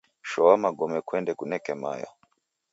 Shoa magome kuende kuneke mayo.